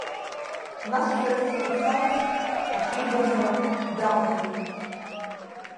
Нас шәарыцара дцарц аҽибыҭара далагеит.